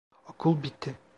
Okul bitti.